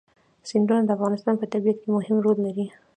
سیندونه د افغانستان په طبیعت کې مهم رول لري.